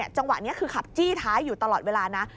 จังหวะนี้คือขับจี้ท้ายอยู่ตลอดเวลานะ